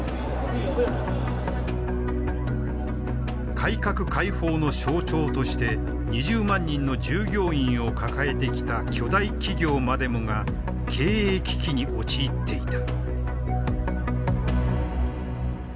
改革開放の象徴として２０万人の従業員を抱えてきた巨大企業までもが経営危機に陥っていた。